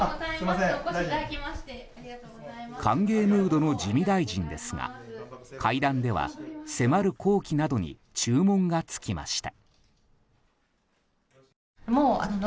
歓迎ムードの自見大臣ですが会談では迫る工期などに注文が付きました。